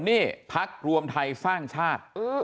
นี่ภัศจิกรรมไทยสร้างชาติ